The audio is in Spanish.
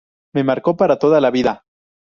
Me marcó para toda la vida.